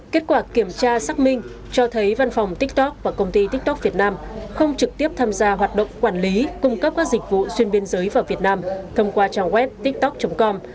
kết quả kiểm tra xác minh cho thấy văn phòng tiktok và công ty tiktok việt nam không trực tiếp tham gia hoạt động quản lý cung cấp các dịch vụ xuyên biên giới vào việt nam thông qua trang web tiktok com